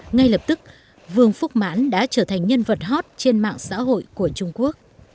ngay lập tức vương phúc mãn đã trở thành nhân vật hot trên mạng xã hội của trung quốc